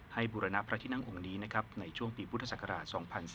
ให้บุรณพระที่นั่งองค์นี้ในช่วงปีพุทธศักราช